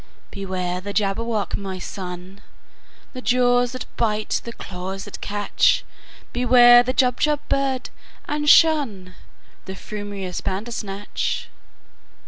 "Beware the Jabberwock, my son! The jaws that bite, the claws that catch! Beware the Jubjub bird, and shunThe frumious Bandersnatch!"